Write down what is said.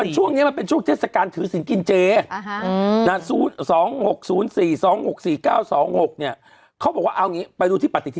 จะเป็นเลขเบิ้ลเบิ้ล